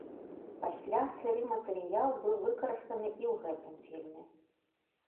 Пасля сыры матэрыял быў выкарыстаны і ў гэтым фільме.